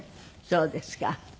そうですか。